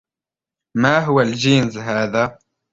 ما هو الجينز هذا